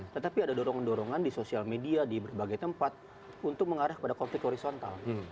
tetapi ada dorongan dorongan di sosial media di berbagai tempat untuk mengarah kepada konflik horizontal